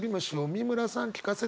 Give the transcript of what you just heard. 美村さん聞かせて。